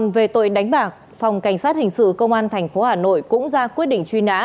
với đánh bạc phòng cảnh sát hình sự công an tp hà nội cũng ra quyết định truy nã